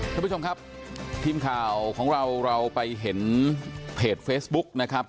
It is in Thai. ท่านผู้ชมครับทีมข่าวของเราเราไปเห็นเพจเฟซบุ๊กนะครับ